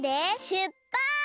しゅっぱつ！